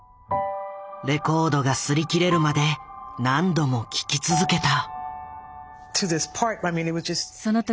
レコードが擦り切れるまで何度も聴き続けた。